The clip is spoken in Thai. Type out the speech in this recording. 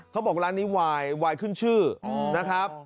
เขาบอกร้านนี้วายวายขึ้นชื่อนะครับ